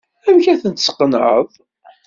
Amek ay ten-tesqenɛeḍ?